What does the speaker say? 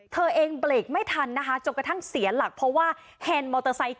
เธอเองเบรกไม่ทันนะคะจนกระทั่งเสียหลักเพราะว่าแฮนด์มอเตอร์ไซค์